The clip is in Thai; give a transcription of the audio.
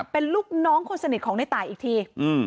เป็นลูกน้องคนสนิทของในตายอีกที